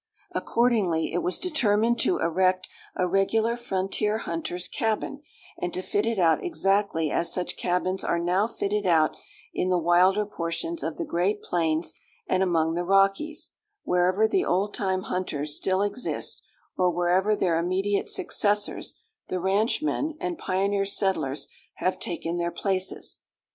Accordingly it was determined to erect a regular frontier hunter's cabin, and to fit it out exactly as such cabins are now fitted out in the wilder portions of the great plains and among the Rockies, wherever the old time hunters still exist, or wherever their immediate successors, the ranchmen and pioneer settlers, have taken their places.